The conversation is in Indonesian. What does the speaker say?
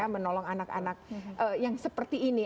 menolong anak anak yang seperti ini